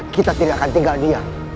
kita tidak akan tinggal diam